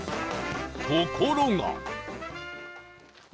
ところが